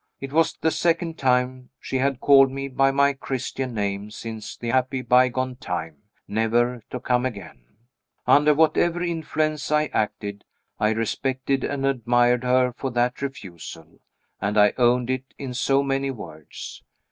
It was the second time she had called me by my Christian name since the happy bygone time, never to come again. Under whatever influence I acted, I respected and admired her for that refusal, and I owned it in so many words.